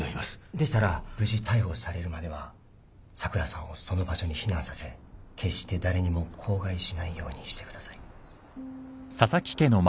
でしたら無事逮捕されるまでは咲良さんをその場所に避難させ決して誰にも口外しないようにしてください